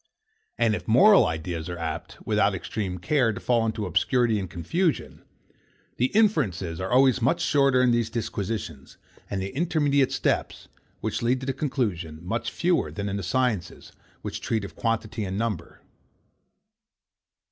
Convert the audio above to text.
And if moral ideas are apt, without extreme care, to fall into obscurity and confusion, the inferences are always much shorter in these disquisitions, and the intermediate steps, which lead to the conclusion, much fewer than in the sciences which treat of quantity and number.